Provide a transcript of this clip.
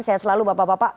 sehat selalu bapak bapak